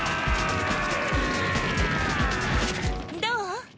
どう？